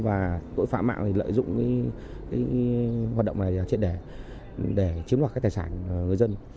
và tội phạm mạng lợi dụng hoạt động này trên đề để chiếm đoạt tài sản người dân